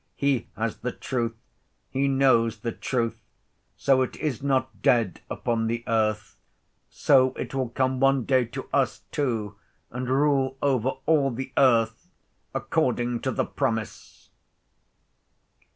He has the truth; he knows the truth; so it is not dead upon the earth; so it will come one day to us, too, and rule over all the earth according to the promise."